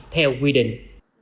theo quy định